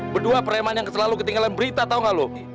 berdua preman yang selalu ketinggalan berita tau gak lu